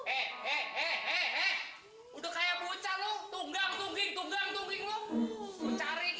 adikku dia bilang aku memang asik